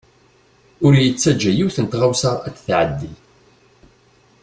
Ur yettaǧa yiwet n tɣawsa ad t-tɛeddi.